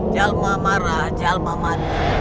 jalma marah jalma mati